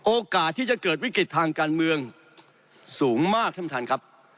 โอกาสที่จะเกิดวิกฤตทางการเมืองสูงมากท่านประธานครับ